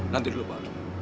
nanti dulu pak